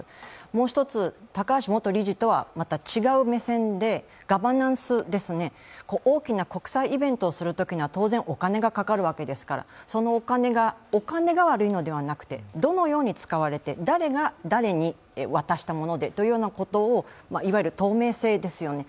もう一つ、高橋元理事とはまた違う目線で、ガバナンスですね、大きな国際イベントをするときには当然お金がかかるわけですから、そのお金が悪いのではなくてどのように使われて誰が誰に渡したものでというようなことを、いわゆる透明性ですよね。